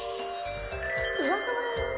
ふわふわ。